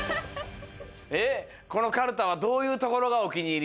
このカルタはどういうところがおきにいり？